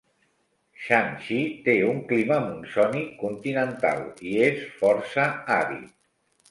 Shanxi té un clima monsònic continental i és força àrid.